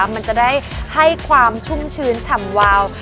มันจะได้ให้ความชุ่มชื้นฉ่ำวาว